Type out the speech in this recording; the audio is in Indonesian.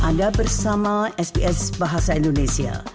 anda bersama sps bahasa indonesia